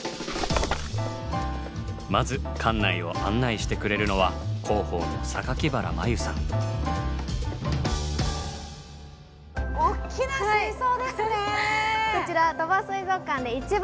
まず館内を案内してくれるのは広報のおっきな水槽ですね。